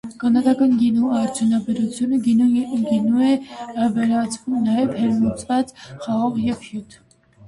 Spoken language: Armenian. Կանադական գինու արդյունաբերությունը գինու է վերածում նաև ներմուծված խաղող և հյութ։